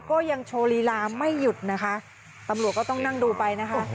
ก็ยังโชว์ลีลาไม่หยุดนะคะตำรวจก็ต้องนั่งดูไปนะคะ